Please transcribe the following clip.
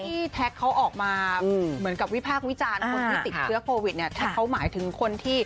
แท็กเขาออกมาเหมือนกับวิพากษ์วิจารณ์คนที่ติดเชื้อโควิดเนี่ยแท็กเขาหมายถึงคนที่